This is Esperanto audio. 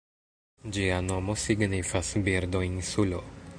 Ĝia nomo signifas "Birdo-insulo".